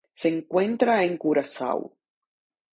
Se encuentra en Curazao.